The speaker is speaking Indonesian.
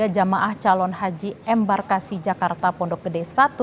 tiga ratus sembilan puluh tiga jamaah calon haji embarkasi jakarta pondok gede satu